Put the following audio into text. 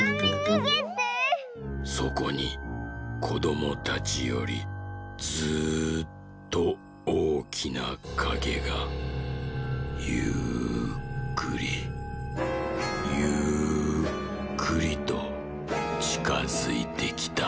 「そこにこどもたちよりずっとおおきなかげがゆっくりゆっくりとちかづいてきた」。